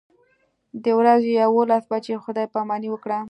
د ورځې یوولس بجې خدای پاماني وکړه.